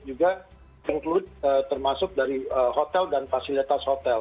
juga include termasuk dari hotel dan fasilitas hotel